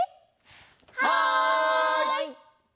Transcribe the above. はい！